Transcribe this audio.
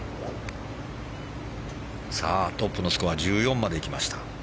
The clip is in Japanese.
トップのスコア１４まで来ました。